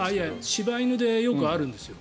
柴犬でよくあるんですよ。